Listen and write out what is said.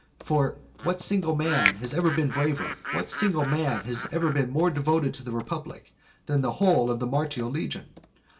For what single man has ever been braver, what single man has ever been more devoted to the republic than the whole of the Martial legion?